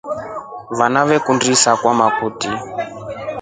Vana veekundi isaakwa katuni.